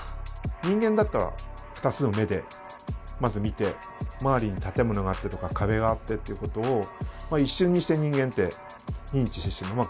人間だったら２つの目でまず見て周りに建物があってとか壁があってっていうことを一瞬にして人間って認知してしまう。